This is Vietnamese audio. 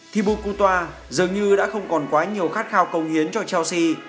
thibu kutoa dường như đã không còn quá nhiều khát khao công hiến cho chelsea